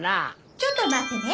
「ちょっと待ってね」